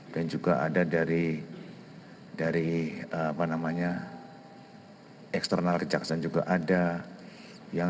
dan juga ada dari eksternal kejaksaan juga ada